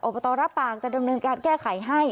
ตรรับปากจะดำเนินการแก้ไขให้